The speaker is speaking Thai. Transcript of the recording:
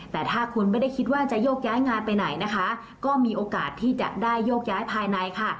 แต่ถ้าคุณไม่ได้คิดว่าจะโยกย้ายงานไปไหนนะคะก็มีโอกาสที่จะได้โยกย้ายภายในค่ะ